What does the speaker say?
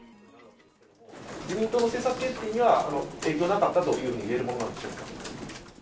自民党の政策決定には影響はなかったというふうに言えるものなんでしょうか。